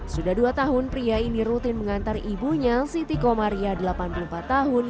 sudah dua tahun pria ini rutin mengantar ibunya siti komaria delapan puluh empat tahun